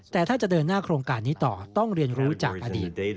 แต่ถ้าจะเดินหน้าโครงการนี้ต่อต้องเรียนรู้จากอดีต